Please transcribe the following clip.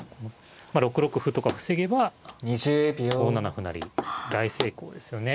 まあ６六歩とか防げば５七歩成大成功ですよね。